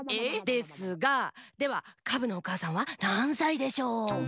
ですがではカブのおかあさんはなんさいでしょう？